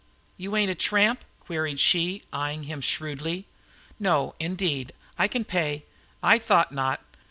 "You ain't a tramp?" queried she, eying him shrewdly. "No, indeed. I can pay." "I thought not.